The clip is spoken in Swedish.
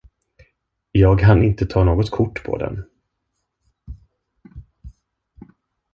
Jag hann inte ta något kort på den.